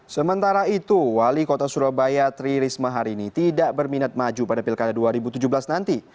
sementara itu wali kota surabaya tri risma hari ini tidak berminat maju pada pilkada dua ribu tujuh belas nanti